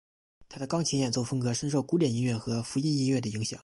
他的钢琴演奏风格深受古典音乐和福音音乐的影响。